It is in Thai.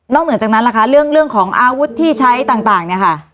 นอกเหนือจากนั้นเรื่องของอาวุธที่ใช้ต่างค่ะ